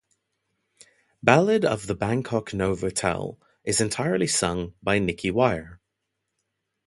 "Ballad of the Bangkok Novotel" is entirely sung by Nicky Wire.